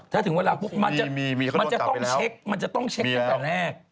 ถ้าถึงเวลาปุ๊บมันจะต้องเช็คมันจะต้องเช็คตั้งแต่แรก